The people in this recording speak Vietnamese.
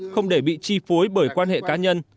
không để bị chi phối bởi quan hệ cá nhân